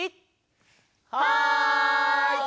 はい！